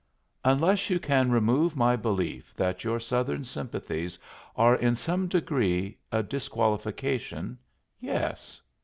"Unless you can remove my belief that your Southern sympathies are in some degree a disqualification, yes.